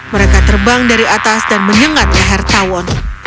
mereka terbang dari atas dan menyengat leher tawon